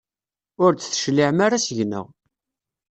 Ur d-tecliɛem ara seg-neɣ.